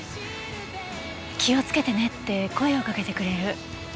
「気をつけてね」って声をかけてくれる。